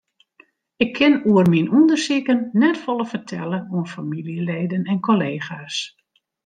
Ik kin oer myn ûndersiken net folle fertelle oan famyljeleden en kollega's.